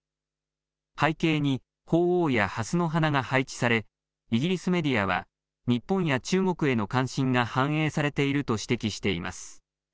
背景にほうおうやはすの花が配置されイギリスメディアは日本や中国への関心が反映されていると指摘しています。